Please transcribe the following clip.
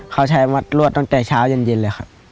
เขาใช้มัดลวดตั้งแต่เช้าเย็นเลยครับ